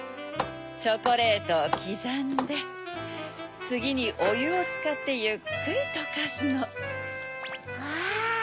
チョコレートをきざんでつぎにおゆをつかってゆっくりとかすの。わ！